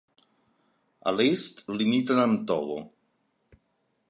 A l'est limiten amb Togo.